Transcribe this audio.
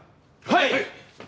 はい！